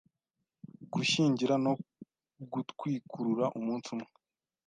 gushyingira no gutwikurura umunsi umwe